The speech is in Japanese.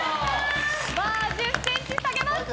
１０ｃｍ下げます！